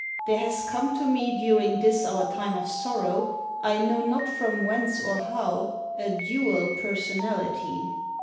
There has come to me, during this our time of sorrow, I know not from whence or how, a dual personality.